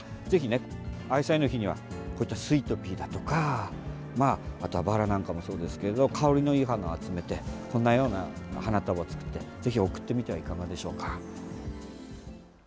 ぜひ、愛妻の日にはこういったスイートピーだとかあとはバラなんかもそうですけど香りのいい花を集めてこんなような花束を作ってぜひ贈ってみてはいかがでしょうか。